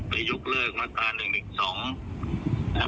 ไปยกเลิกมาตรา๑๑๒